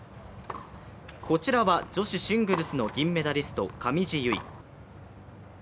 こちらは女子シングルスの銀メダリスト、上地結衣。